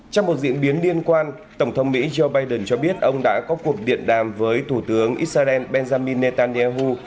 trong một diễn biến liên quan tổng thống mỹ joe biden cho biết ông đã có cuộc điện đàm với thủ tướng israel benjamin netanyahu